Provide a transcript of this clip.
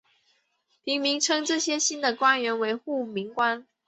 平民们称这些新的官员为护民官。